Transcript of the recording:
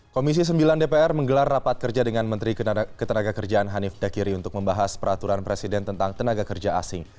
komisi sembilan dpr menggelar rapat kerja dengan menteri ketenaga kerjaan hanif dakiri untuk membahas peraturan presiden tentang tenaga kerja asing